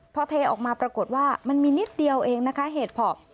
พอเทออกมาปรากฏว่ามันมีนิดเดียวเองนะคะเห็ดเพาะ